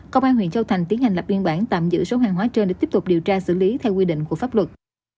công an huyện châu thành tiến hành lập biên bản tạm giữ số hàng hóa trên để tiếp tục điều tra xử lý theo quy định của pháp luật